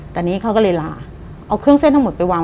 แต่นี้เขาก็เลยหล่า